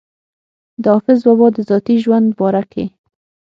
د حافظ بابا د ذاتي ژوند باره کښې